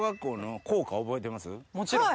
もちろん。